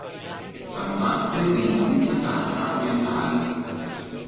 Fanno parte dei Monti Tatra orientali.